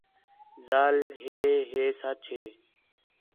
ذال ہے ، ہے سچ ہے